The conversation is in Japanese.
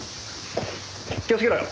気をつけろよ。